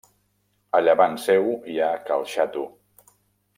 A llevant seu hi ha Cal Xato.